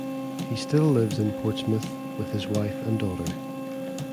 He still lives in Portsmouth with his wife and daughter.